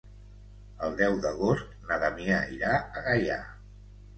El deu d'agost na Damià irà a Gaià.